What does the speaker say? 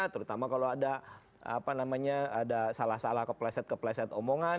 terutama kalau ada salah salah kepleset kepleset omongan